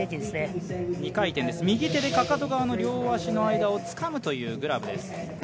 ２回転です、右手でかかと側の両足をつかむというグラブです。